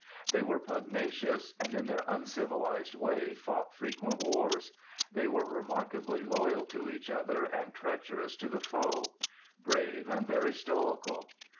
They were pugnacious, and in their uncivilised way fought frequent wars. They were remarkably loyal to each other, and treacherous to the foe; brave, and very stoical.